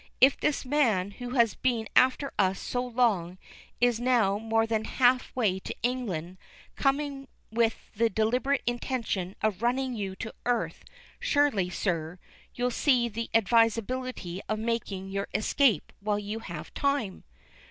"If this man, who has been after us so long, is now more than half way to England, coming with the deliberate intention of running you to earth, surely, sir, you'll see the advisability of making your escape while you have time."